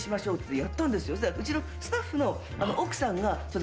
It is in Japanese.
やったんですよ。